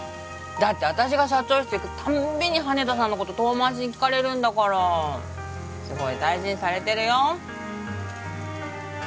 だって私が社長室行くたんびに羽田さんのこと遠回しに聞かれるんだからすごい大事にされてるよ